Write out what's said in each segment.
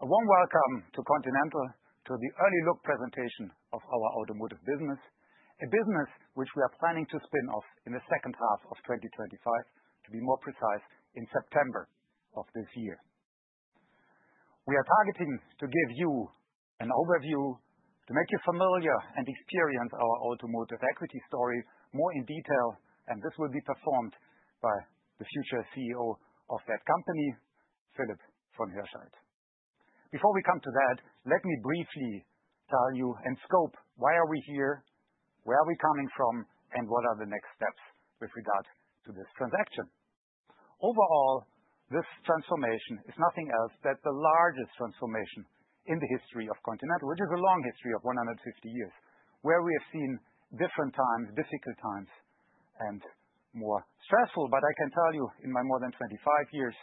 A warm welcome to Continental, to the early look presentation of our Automotive business, a business which we are planning to spin off in the second half of 2025, to be more precise, in September of this year. We are targeting to give you an overview, to make you familiar and experience our Automotive equity story more in detail, and this will be performed by the future CEO of that company, Philipp von Hirschheydt. Before we come to that, let me briefly tell you in scope why we are here, where we are coming from, and what the next steps are with regard to this transaction. Overall, this transformation is nothing else but the largest transformation in the history of Continental, which is a long history of 150 years, where we have seen different times, difficult times, and more stressful. I can tell you, in my more than 25 years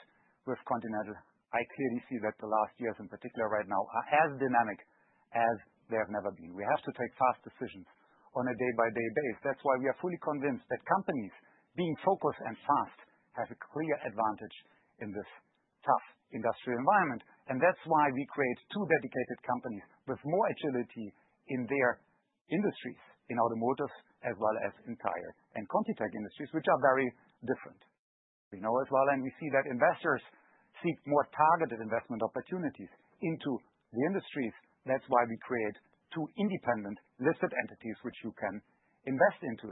with Continental, I clearly see that the last years in particular right now are as dynamic as they have never been. We have to take fast decisions on a day-by-day basis. That is why we are fully convinced that companies being focused and fast have a clear advantage in this tough industrial environment, and that is why we create two dedicated companies with more agility in their industries, in Automotive as well as in Tire and ContiTech industries, which are very different. We know as well, and we see that investors seek more targeted investment opportunities into the industries. That is why we create two independent listed entities which you can invest into,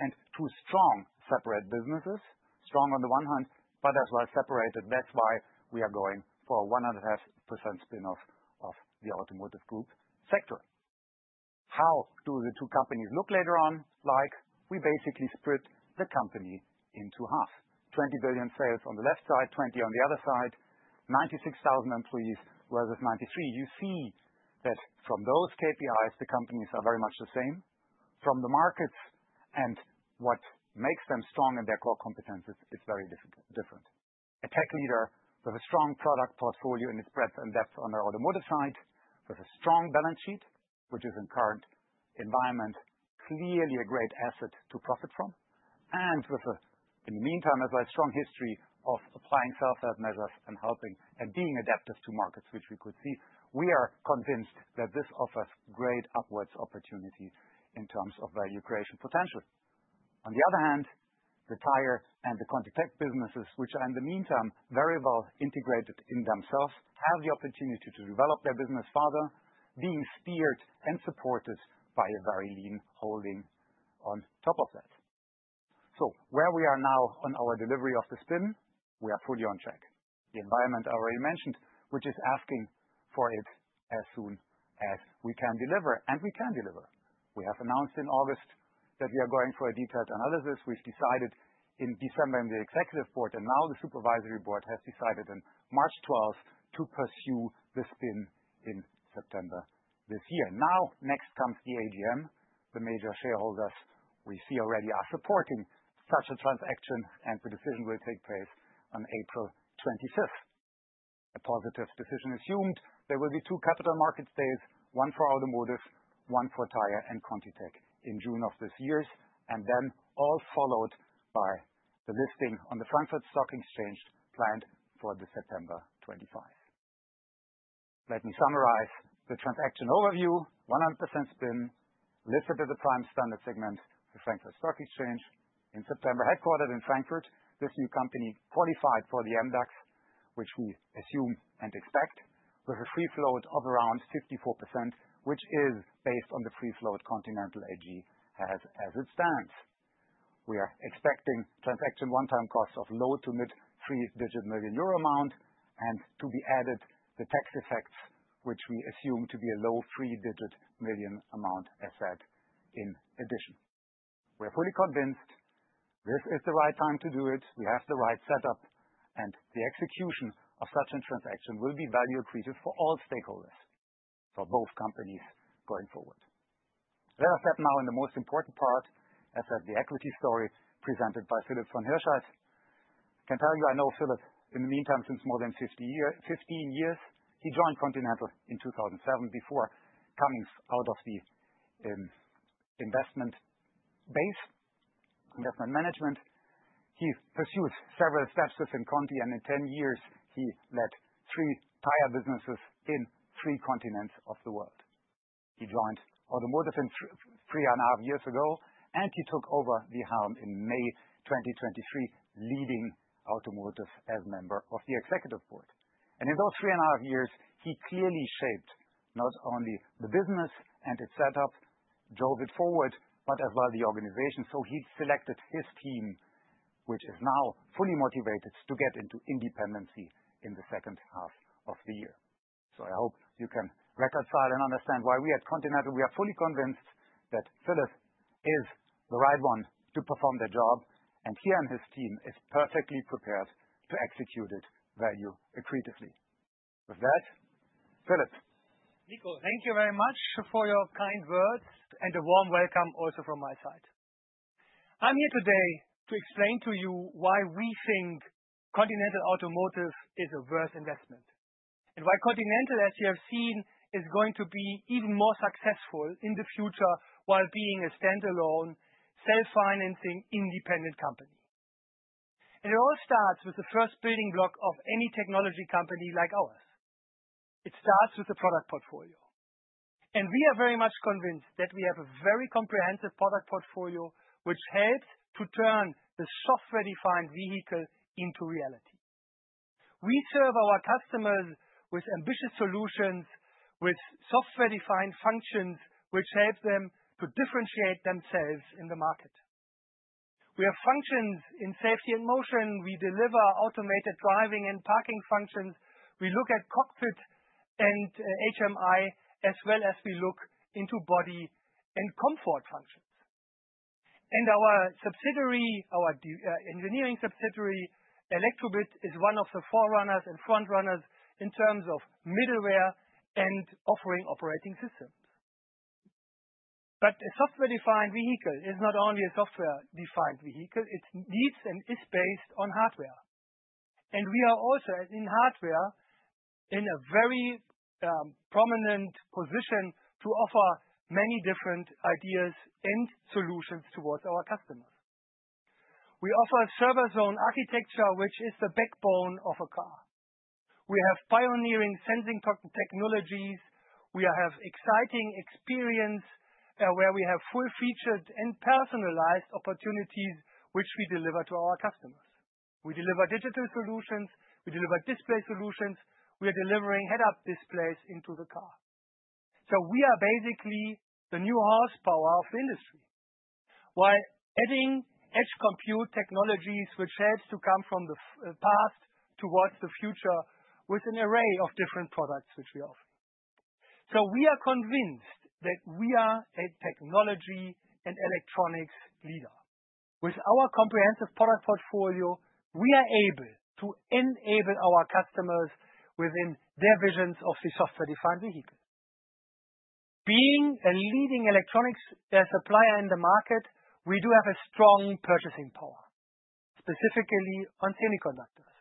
and two strong separate businesses, strong on the one hand, but as well-separated. That's why we are going for a 100% spin-off of the Automotive group sector. How do the two companies look later on? Like, we basically split the company into half: 20 billion sales on the left side, 20 billion on the other side, 96,000 employees versus 93,000. You see that from those KPIs, the companies are very much the same. From the markets and what makes them strong in their core competences, it's very different. A tech leader with a strong product portfolio in its breadth and depth on the Automotive side, with a strong balance sheet, which is in the current environment clearly a great asset to profit from, and with a, in the meantime, as well, a strong history of applying self-help measures and helping and being adaptive to markets, which we could see, we are convinced that this offers great upwards opportunity in terms of value creation potential. On the other hand, the Tire and the ContiTech businesses, which are in the meantime very well integrated in themselves, have the opportunity to develop their business further, being steered and supported by a very lean holding on top of that. Where we are now on our delivery of the spin, we are fully on track. The environment I already mentioned, which is asking for it as soon as we can deliver, and we can deliver. We have announced in August that we are going for a detailed analysis. We have decided in December in the Executive Board, and now the Supervisory Board has decided on March 12th to pursue the spin in September this year. Next comes the AGM, the major shareholders we see already are supporting such a transaction, and the decision will take place on April 25th. A positive decision assumed. There will be two capital markets days: one for Automotive, one for Tire and ContiTech in June of this year, and then all followed by the listing on the Frankfurt Stock Exchange planned for September 25th. Let me summarize the transaction overview: 100% spin listed at the Prime Standard segment of the Frankfurt Stock Exchange in September, headquartered in Frankfurt. This new company qualified for the MDAX, which we assume and expect, with a free float of around 54%, which is based on the free float Continental AG has as it stands. We are expecting transaction one-time cost of low to mid-three-digit million EUR amount, and to be added the tax effects, which we assume to be a low three-digit million amount as said in addition. We are fully convinced this is the right time to do it. We have the right setup, and the execution of such a transaction will be value accretive for all stakeholders, for both companies going forward. Let us step now in the most important part, as that the equity story presented by Philipp von Hirschheydt. I can tell you, I know Philipp in the meantime since more than 15 years. He joined Continental in 2007, before coming out of the investment base, investment management. He pursued several steps within Conti, and in 10 years, he led three Tire businesses in three continents of the world. He joined Automotive 3.5 years ago, and he took over the helm in May 2023, leading Automotive as member of the Executive Board. In those 3.5 years, he clearly shaped not only the business and its setup, drove it forward, but as well the organization. He selected his team, which is now fully motivated to get into independency in the second half of the year. I hope you can reconcile and understand why we at Continental, we are fully convinced that Philipp is the right one to perform the job, and he and his team are perfectly prepared to execute it value-accretively. With that, Philipp. Niko, thank you very much for your kind words and a warm welcome also from my side. I'm here today to explain to you why we think Continental Automotive is a worth investment, and why Continental, as you have seen, is going to be even more successful in the future while being a standalone, self-financing, independent company. It all starts with the first building block of any technology company like ours. It starts with the product portfolio, and we are very much convinced that we have a very comprehensive product portfolio, which helps to turn the software-defined vehicle into reality. We serve our customers with ambitious solutions, with software-defined functions, which help them to differentiate themselves in the market. We have functions in safety and motion. We deliver automated driving and parking functions. We look at cockpit and HMI, as well as we look into body and comfort functions. Our subsidiary, our engineering subsidiary, Electrobit, is one of the forerunners and front-runners in terms of middleware and offering operating systems. A software-defined vehicle is not only a software-defined vehicle; it needs and is based on hardware. We are also in hardware in a very prominent position to offer many different ideas and solutions towards our customers. We offer server zone architecture, which is the backbone of a car. We have pioneering sensing technologies. We have exciting experience where we have full-featured and personalized opportunities, which we deliver to our customers. We deliver digital solutions. We deliver display solutions. We are delivering heads-up displays into the car. We are basically the new horsepower of the industry, while adding edge compute technologies, which have to come from the past towards the future with an array of different products which we offer. We are convinced that we are a technology and electronics leader. With our comprehensive product portfolio, we are able to enable our customers within their visions of the software-defined vehicle. Being a leading electronics supplier in the market, we do have a strong purchasing power, specifically on semiconductors.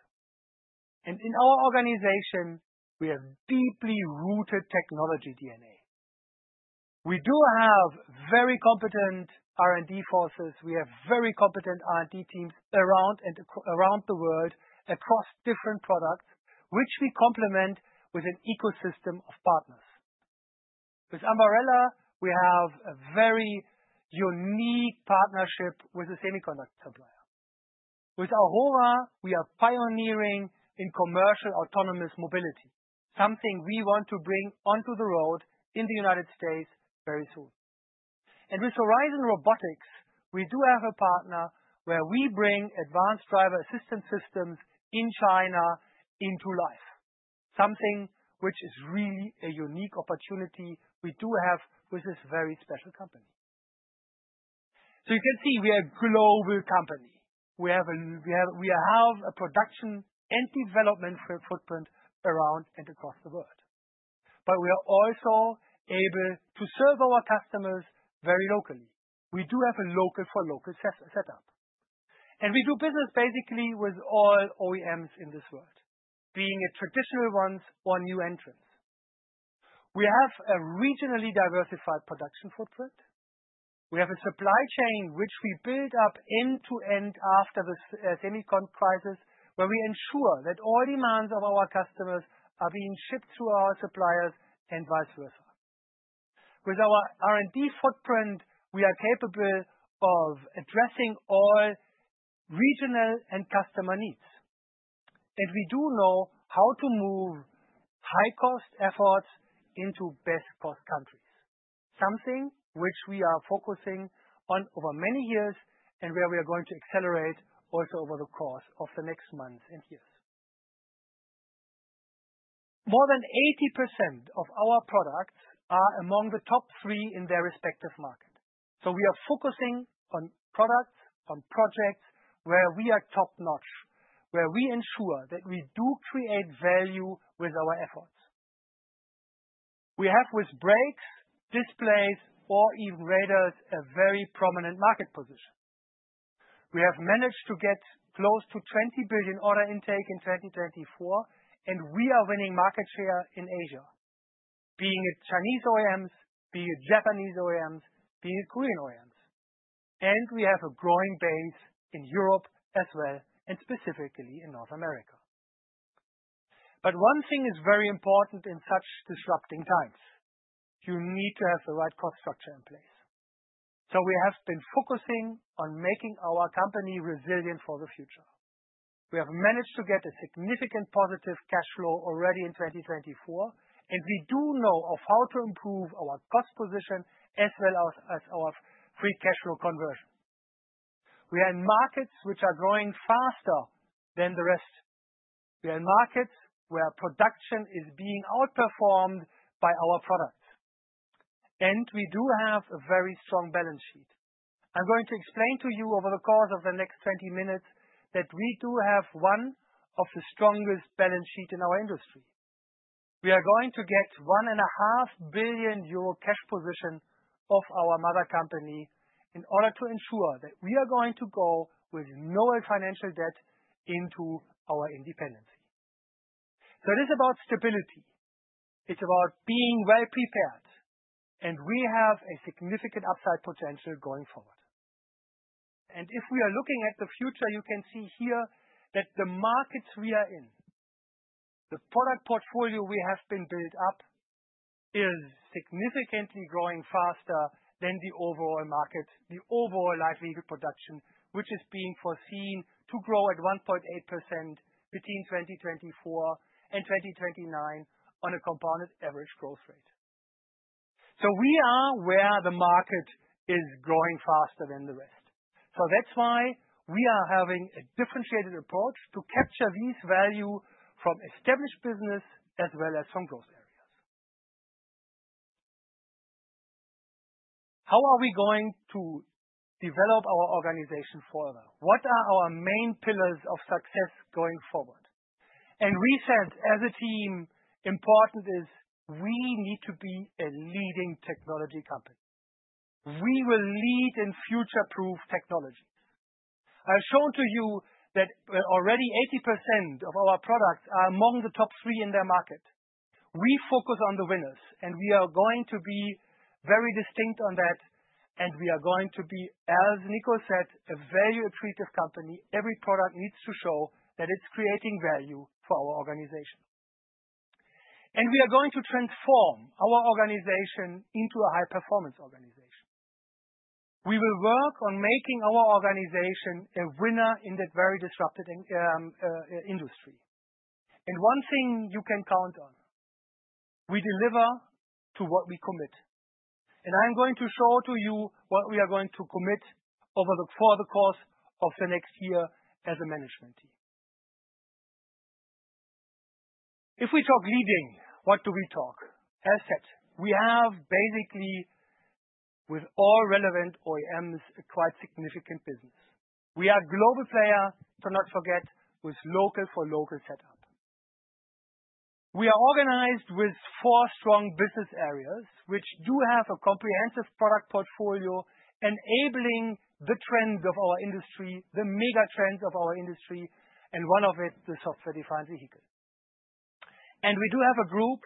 In our organization, we have deeply rooted technology DNA. We do have very competent R&D forces. We have very competent R&D teams around the world across different products, which we complement with an ecosystem of partners. With Ambarella, we have a very unique partnership with a semiconductor supplier. With Aurora, we are pioneering in commercial autonomous mobility, something we want to bring onto the road in the United States very soon. With Horizon Robotics, we do have a partner where we bring advanced driver assistance systems in China into life, something which is really a unique opportunity we do have with this very special company. You can see we are a global company. We have a production and development footprint around and across the world, but we are also able to serve our customers very locally. We do have a local-for-local setup, and we do business basically with all OEMs in this world, being traditional ones or new entrants. We have a regionally diversified production footprint. We have a supply chain which we build up end-to-end after the semiconductor crisis, where we ensure that all demands of our customers are being shipped through our suppliers and vice versa. With our R&D footprint, we are capable of addressing all regional and customer needs, and we do know how to move high-cost efforts into best-cost countries, something which we are focusing on over many years and where we are going to accelerate also over the course of the next months and years. More than 80% of our products are among the top three in their respective market. We are focusing on products, on projects where we are top-notch, where we ensure that we do create value with our efforts. We have, with brakes, displays, or even radars, a very prominent market position. We have managed to get close to 20 billion order intake in 2024, and we are winning market share in Asia, being it Chinese OEMs, being it Japanese OEMs, being it Korean OEMs. We have a growing base in Europe as well, specifically in North America. One thing is very important in such disrupting times: you need to have the right cost structure in place. We have been focusing on making our company resilient for the future. We have managed to get a significant positive cash flow already in 2024, and we do know how to improve our cost position as well as our free cash flow conversion. We are in markets which are growing faster than the rest. We are in markets where production is being outperformed by our products, and we do have a very strong balance sheet. I'm going to explain to you over the course of the next 20 minutes that we do have one of the strongest balance sheets in our industry. We are going to get 1.5 billion euro cash position of our mother company in order to ensure that we are going to go with no financial debt into our independency. It is about stability. It is about being well-prepared, and we have a significant upside potential going forward. If we are looking at the future, you can see here that the markets we are in, the product portfolio we have been built up, is significantly growing faster than the overall market, the overall light vehicle production, which is being foreseen to grow at 1.8% between 2024 and 2029 on a compounded average growth rate. We are where the market is growing faster than the rest. That is why we are having a differentiated approach to capture these values from established business as well as from growth areas. How are we going to develop our organization further? What are our main pillars of success going forward? We said as a team, important is we need to be a leading technology company. We will lead in future-proof technologies. I have shown to you that already 80% of our products are among the top three in their market. We focus on the winners, and we are going to be very distinct on that, and we are going to be, as Niko said, a value-accretive company. Every product needs to show that it's creating value for our organization. We are going to transform our organization into a high-performance organization. We will work on making our organization a winner in that very disrupted industry. One thing you can count on: we deliver to what we commit. I'm going to show to you what we are going to commit over the course of the next year as a management team. If we talk leading, what do we talk? As said, we have basically, with all relevant OEMs, quite significant business. We are a global player, to not forget, with local-for-local setup. We are organized with four strong business areas, which do have a comprehensive product portfolio enabling the trends of our industry, the mega trends of our industry, and one of it, the software-defined vehicle. We do have a group,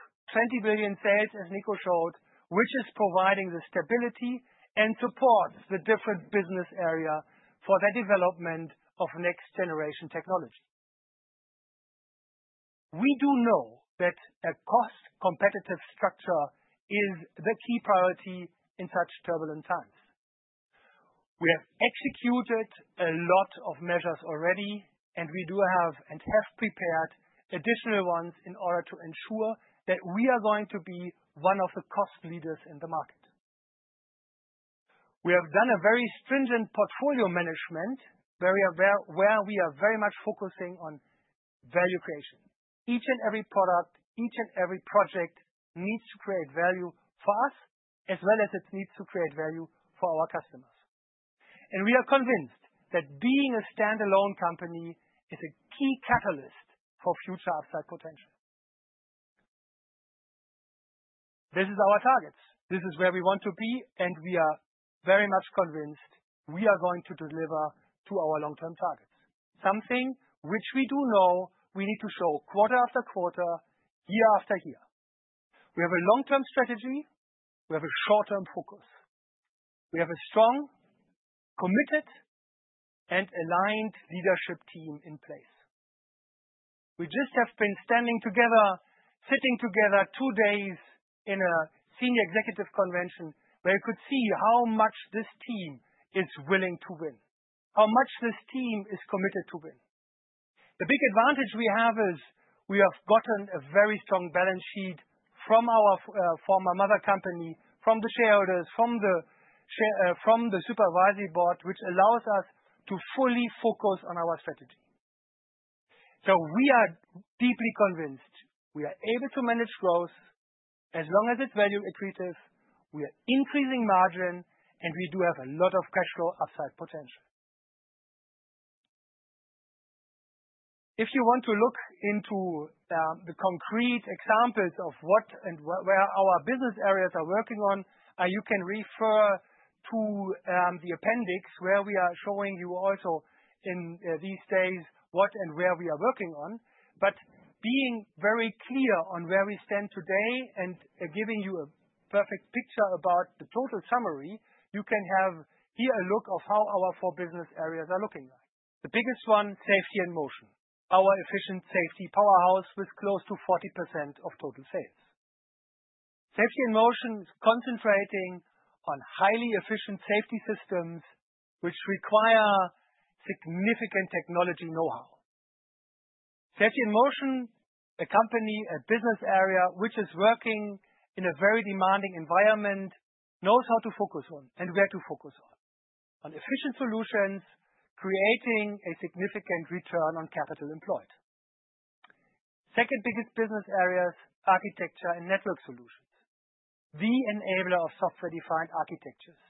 20 billion sales, as Niko showed, which is providing the stability and support for the different business areas for the development of next-generation technology. We do know that a cost-competitive structure is the key priority in such turbulent times. We have executed a lot of measures already, and we do have and have prepared additional ones in order to ensure that we are going to be one of the cost leaders in the market. We have done a very stringent portfolio management, where we are very much focusing on value creation. Each and every product, each and every project needs to create value for us, as well as it needs to create value for our customers. We are convinced that being a standalone company is a key catalyst for future upside potential. This is our target. This is where we want to be, and we are very much convinced we are going to deliver to our long-term targets, something which we do know we need to show quarter-after-quarter, year-after-year. We have a long-term strategy. We have a short-term focus. We have a strong, committed, and aligned leadership team in place. We just have been standing together, sitting together two days in a senior executive convention where you could see how much this team is willing to win, how much this team is committed to win. The big advantage we have is we have gotten a very strong balance sheet from our former mother company, from the shareholders, from the supervisory board, which allows us to fully focus on our strategy. We are deeply convinced we are able to manage growth as long as it's value-accretive. We are increasing margin, and we do have a lot of cash flow upside potential. If you want to look into the concrete examples of what and where our business areas are working on, you can refer to the appendix where we are showing you also in these days what and where we are working on. Being very clear on where we stand today and giving you a perfect picture about the total summary, you can have here a look at how our four business areas are looking like. The biggest one, safety and motion, our efficient safety powerhouse with close to 40% of total sales. Safety and motion is concentrating on highly efficient safety systems which require significant technology know-how. Safety and motion, a company, a business area which is working in a very demanding environment, knows how to focus on and where to focus on, on efficient solutions, creating a significant return on capital employed. Second biggest business areas, Architecture and Network Solutions, the enabler of software-defined architectures,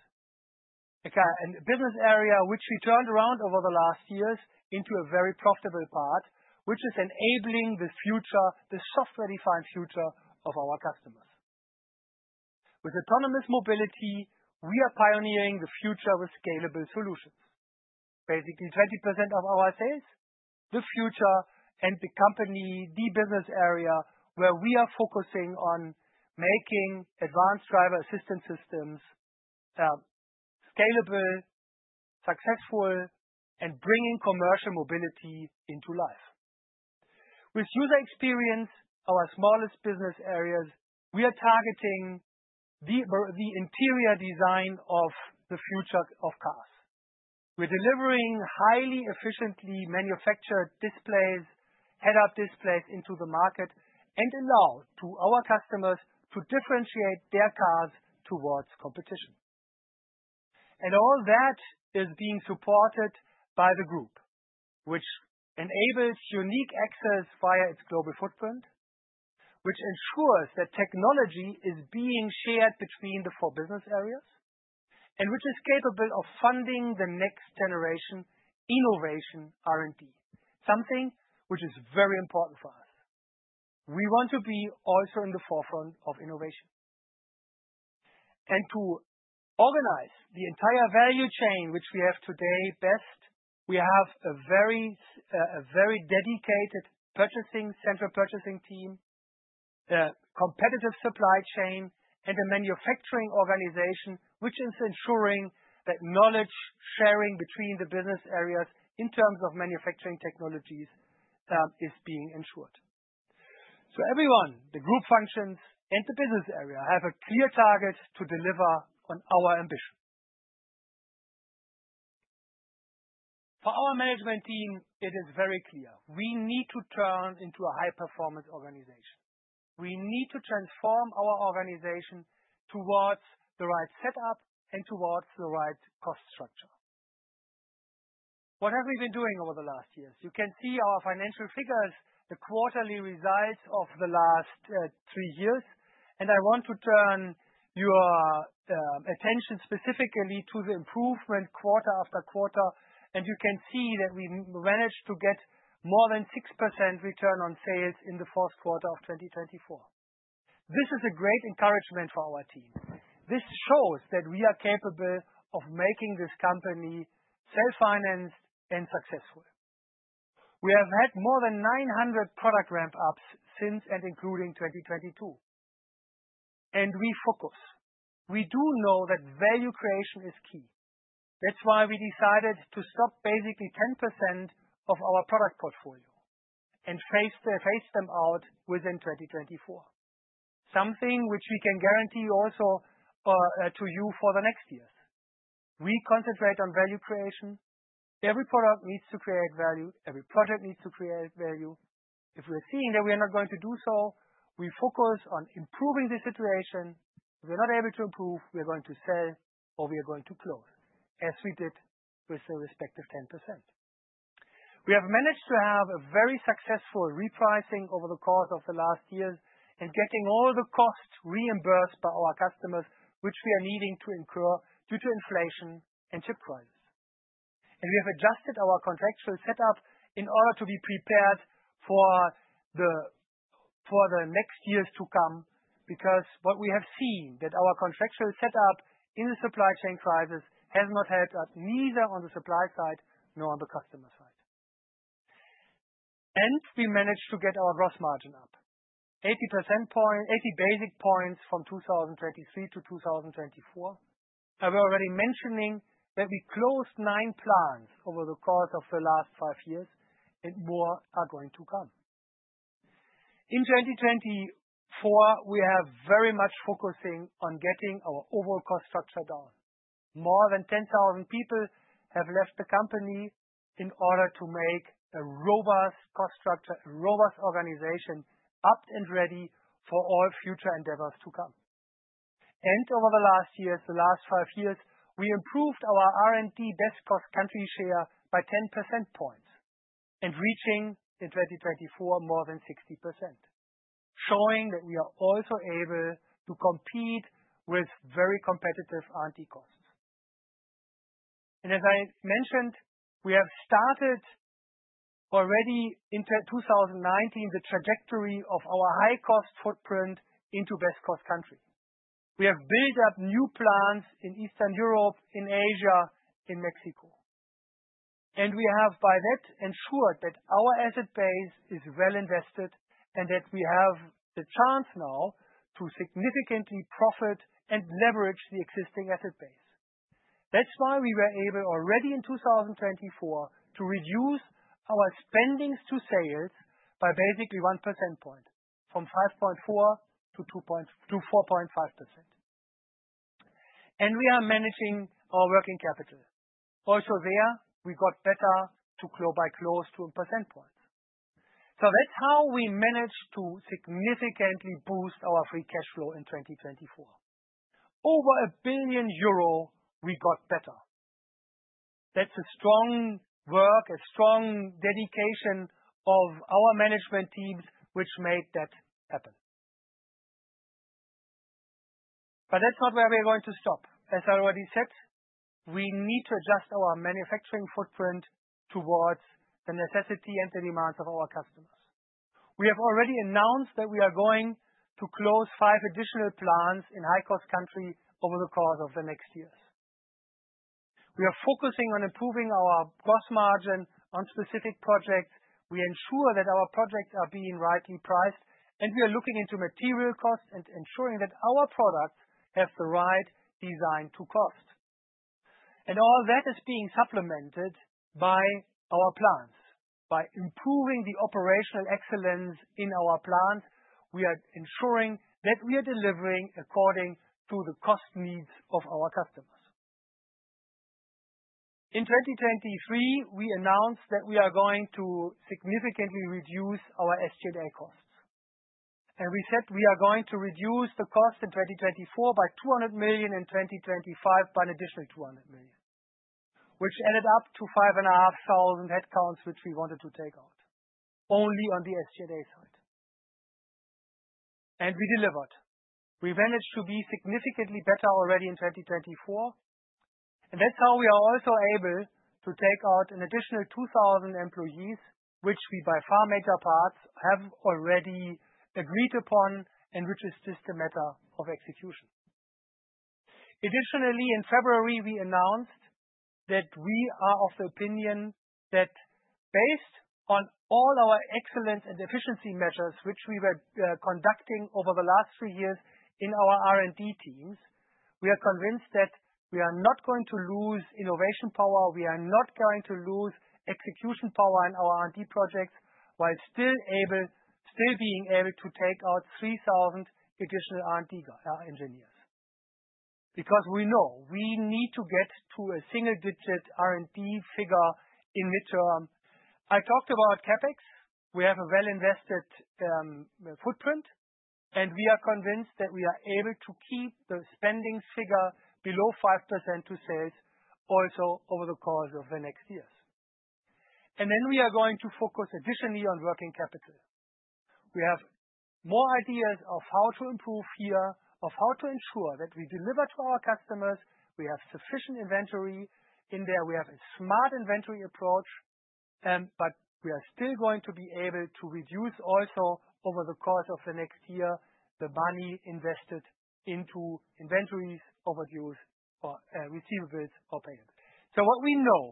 a business area which we turned around over the last years into a very profitable part, which is enabling the future, the software-defined future of our customers. With Autonomous Mobility, we are pioneering the future with scalable solutions. Basically, 20% of our sales, the future, and the company, the business area where we are focusing on making advanced driver assistance systems scalable, successful, and bringing commercial mobility into life. With User Experience, our smallest business areas, we are targeting the interior design of the future of cars. We're delivering highly efficiently manufactured displays, head-up displays into the market and allow our customers to differentiate their cars towards competition. All that is being supported by the group, which enables unique access via its global footprint, which ensures that technology is being shared between the four business areas, and which is capable of funding the next generation innovation R&D, something which is very important for us. We want to be also in the forefront of innovation and to organize the entire value chain which we have today best. We have a very dedicated central purchasing team, a competitive supply chain, and a manufacturing organization which is ensuring that knowledge sharing between the business areas in terms of manufacturing technologies is being ensured. Everyone, the group functions and the business area have a clear target to deliver on our ambition. For our management team, it is very clear we need to turn into a high-performance organization. We need to transform our organization towards the right setup and towards the right cost structure. What have we been doing over the last years? You can see our financial figures, the quarterly results of the last three years. I want to turn your attention specifically to the improvement quarter-after-quarter. You can see that we managed to get more than 6% return on sales in the fourth quarter of 2024. This is a great encouragement for our team. This shows that we are capable of making this company self-financed and successful. We have had more than 900 product ramp-ups since and including 2022. We focus. We do know that value creation is key. That is why we decided to stop basically 10% of our product portfolio and phase them out within 2024, something which we can guarantee also to you for the next years. We concentrate on value creation. Every product needs to create value. Every project needs to create value. If we're seeing that we are not going to do so, we focus on improving the situation. If we're not able to improve, we're going to sell or we are going to close, as we did with the respective 10%. We have managed to have a very successful repricing over the course of the last years and getting all the costs reimbursed by our customers, which we are needing to incur due to inflation and chip crisis. We have adjusted our contractual setup in order to be prepared for the next years to come because what we have seen is that our contractual setup in the supply chain crisis has not helped us neither on the supply side nor on the customer side. We managed to get our gross margin up 80 basis points from 2023 to 2024. I was already mentioning that we closed nine plants over the course of the last five years, and more are going to come. In 2024, we are very much focusing on getting our overall cost structure down. More than 10,000 people have left the company in order to make a robust cost structure, a robust organization up and ready for all future endeavors to come. Over the last years, the last five years, we improved our R&D best-cost country share by 10 percentage points and reaching in 2024 more than 60%, showing that we are also able to compete with very competitive R&D costs. As I mentioned, we have started already in 2019 the trajectory of our high-cost footprint into best-cost country. We have built up new plants in Eastern Europe, in Asia, in Mexico. We have by that ensured that our asset base is well-invested and that we have the chance now to significantly profit and leverage the existing asset base. That is why we were able already in 2024 to reduce our spendings to sales by basically 1 percentage point from 5.4% to 4.5%. We are managing our working capital. Also there, we got better to close by close to 1 percentage point. That is how we managed to significantly boost our free cash flow in 2024. Over 1 billion euro, we got better. That is a strong work, a strong dedication of our management teams, which made that happen. That is not where we are going to stop. As I already said, we need to adjust our manufacturing footprint towards the necessity and the demands of our customers. We have already announced that we are going to close five additional plants in high-cost country over the course of the next years. We are focusing on improving our gross margin on specific projects. We ensure that our projects are being rightly priced, and we are looking into material costs and ensuring that our products have the right design-to-cost. All that is being supplemented by our plants. By improving the operational excellence in our plants, we are ensuring that we are delivering according to the cost needs of our customers. In 2023, we announced that we are going to significantly reduce our SG&A costs. We said we are going to reduce the cost in 2024 by 200 million and 2025 by an additional 200 million, which added up to 5,500 headcounts which we wanted to take out only on the SG&A side. We delivered. We managed to be significantly better already in 2024. That is how we are also able to take out an additional 2,000 employees, which we by far major parts have already agreed upon and which is just a matter of execution. Additionally, in February, we announced that we are of the opinion that based on all our excellence and efficiency measures which we were conducting over the last three years in our R&D teams, we are convinced that we are not going to lose innovation power. We are not going to lose execution power in our R&D projects while still being able to take out 3,000 additional R&D engineers because we know we need to get to a single-digit R&D figure in midterm. I talked about CapEx. We have a well-invested footprint, and we are convinced that we are able to keep the spending figure below 5% to sales also over the course of the next years. We are going to focus additionally on working capital. We have more ideas of how to improve here, of how to ensure that we deliver to our customers. We have sufficient inventory in there. We have a smart inventory approach, but we are still going to be able to reduce also over the course of the next year the money invested into inventories, overdues, or receivables, or payables. What we know,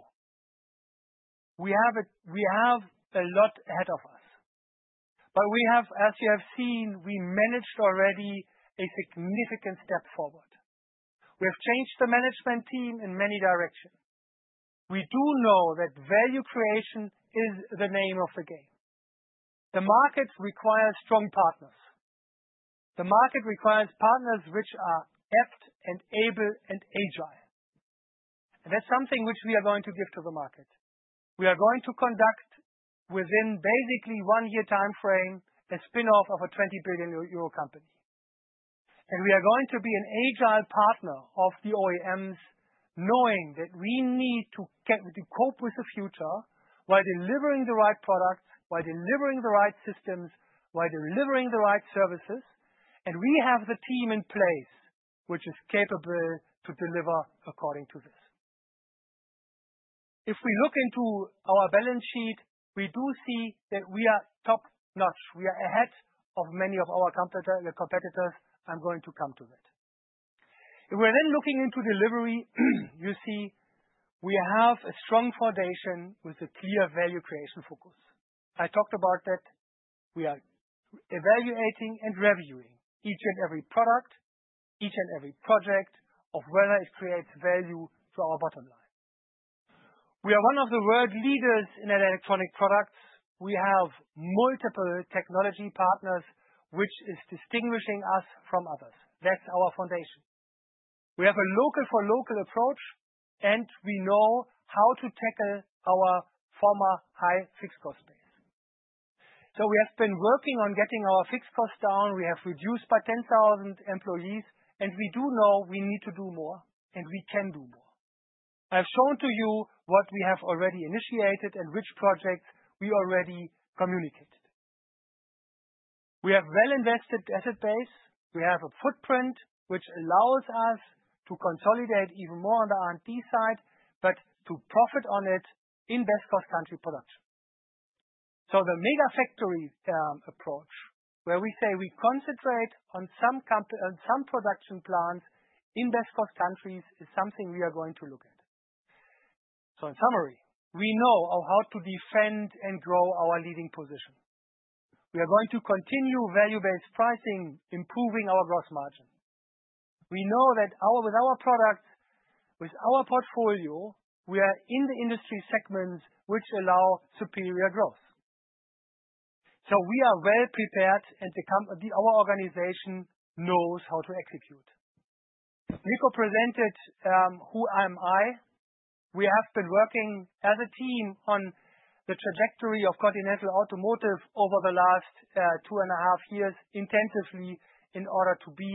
we have a lot ahead of us. As you have seen, we managed already a significant step forward. We have changed the management team in many directions. We do know that value creation is the name of the game. The markets require strong partners. The market requires partners which are apt and able and agile. That is something which we are going to give to the market. We are going to conduct within basically a one-year time frame a spin-off of a 20 billion euro company. We are going to be an agile partner of the OEMs, knowing that we need to cope with the future while delivering the right products, while delivering the right systems, while delivering the right services. We have the team in place which is capable to deliver according to this. If we look into our balance sheet, we do see that we are top-notch. We are ahead of many of our competitors. I am going to come to that. If we are then looking into delivery, you see we have a strong foundation with a clear value creation focus. I talked about that. We are evaluating and reviewing each and every product, each and every project of whether it creates value to our bottom line. We are one of the world leaders in electronic products. We have multiple technology partners which is distinguishing us from others. That's our foundation. We have a local-for-local approach, and we know how to tackle our former high fixed cost base. We have been working on getting our fixed costs down. We have reduced by 10,000 employees, and we do know we need to do more, and we can do more. I've shown to you what we have already initiated and which projects we already communicated. We have a well-invested asset base. We have a footprint which allows us to consolidate even more on the R&D side, but to profit on it in best-cost country production. The mega factory approach, where we say we concentrate on some production plants in best-cost countries, is something we are going to look at. In summary, we know how to defend and grow our leading position. We are going to continue value-based pricing, improving our gross margin. We know that with our products, with our portfolio, we are in the industry segments which allow superior growth. We are well-prepared, and our organization knows how to execute. Niko presented who I am. We have been working as a team on the trajectory of Continental Automotive over the last 2.5 years intensively in order to be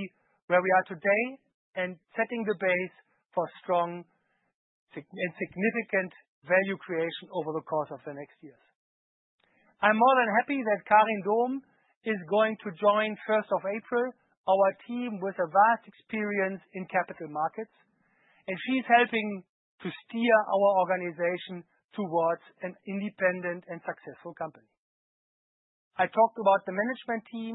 where we are today and setting the base for strong and significant value creation over the course of the next years. I'm more than happy that Karin Dohm is going to join April 1, our team with a vast experience in capital markets, and she's helping to steer our organization towards an independent and successful company. I talked about the management team.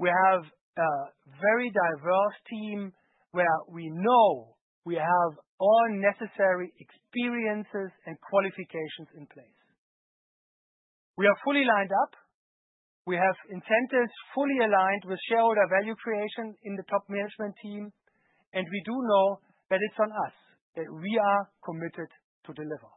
We have a very diverse team where we know we have all necessary experiences and qualifications in place. We are fully lined up. We have incentives fully aligned with shareholder value creation in the top management team. We do know that it's on us that we are committed to deliver.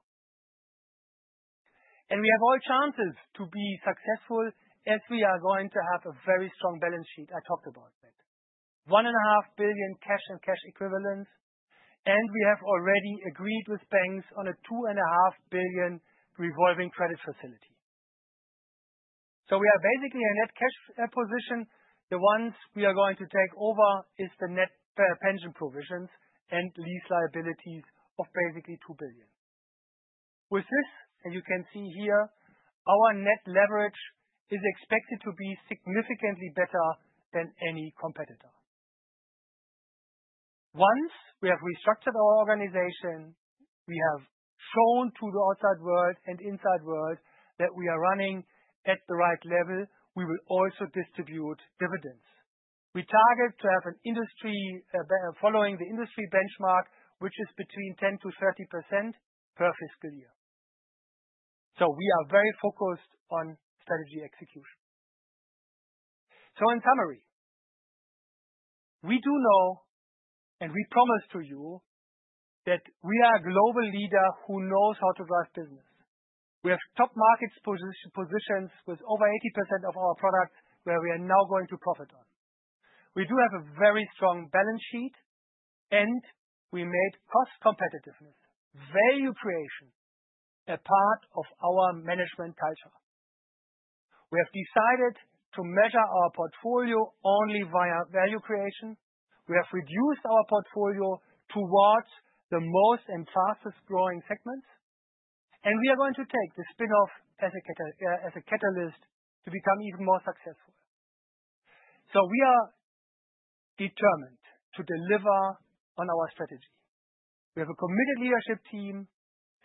We have all chances to be successful as we are going to have a very strong balance sheet. I talked about that. 1.5 billion cash and cash equivalents. We have already agreed with banks on a 2.5 billion revolving credit facility. We are basically a net cash position. The ones we are going to take over is the net pension provisions and lease liabilities of basically 2 billion. With this, as you can see here, our net leverage is expected to be significantly better than any competitor. Once we have restructured our organization, we have shown to the outside world and inside world that we are running at the right level, we will also distribute dividends. We target to have an industry following the industry benchmark, which is between 10%-30% per fiscal year. We are very focused on strategy execution. In summary, we do know, and we promise to you that we are a global leader who knows how to drive business. We have top market positions with over 80% of our products where we are now going to profit on. We do have a very strong balance sheet, and we made cost competitiveness, value creation a part of our management culture. We have decided to measure our portfolio only via value creation. We have reduced our portfolio towards the most and fastest growing segments. We are going to take the spin-off as a catalyst to become even more successful. We are determined to deliver on our strategy. We have a committed leadership team,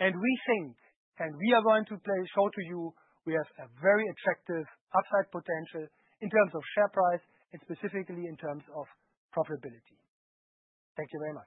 and we think, and we are going to show to you we have a very attractive upside potential in terms of share price and specifically in terms of profitability. Thank you very much.